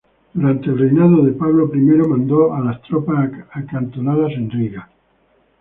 Durante el reinado de Pablo I mandó a las tropas acantonadas en Riga.